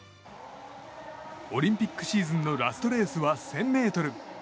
オリンピックシーズンのラストレースは１０００ｍ。